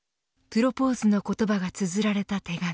プロポーズの言葉がつづられた手紙。